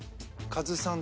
カズさん